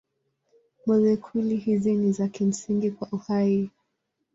Molekuli hizi ni za kimsingi kwa uhai.